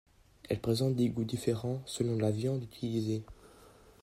Elle présente des goûts différents selon la viande utilisée.